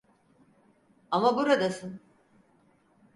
Ama buradasın.